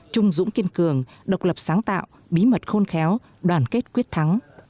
trung dũng kiên cường độc lập sáng tạo bí mật khôn khéo đoàn kết quyết thắng